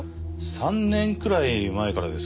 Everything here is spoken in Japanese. ３年くらい前からですかね。